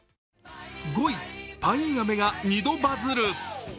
５位、パインアメが２度バズる。